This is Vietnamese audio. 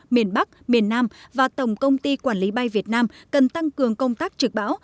miền bắc miền nam và tổng công ty quản lý bay việt nam cần tăng cường công tác trực bão